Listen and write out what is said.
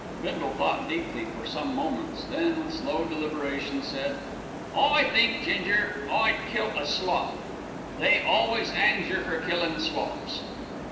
Bindle thought deeply for some moments, then with slow deliberation said: "I think, Ginger, I'd kill a slop. They always 'angs yer for killin' slops."